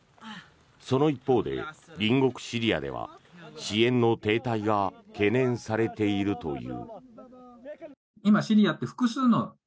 その一方で隣国シリアでは支援の停滞が懸念されているという。